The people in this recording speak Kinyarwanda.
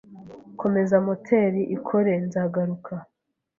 Komeza moteri ikore. Nzagaruka